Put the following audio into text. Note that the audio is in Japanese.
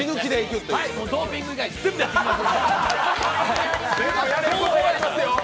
ドーピング以外全部やっていきます！